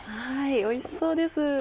おいしそうです。